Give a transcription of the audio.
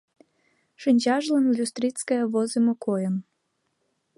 Шинчажлан «Люстрицкая» возымо койын.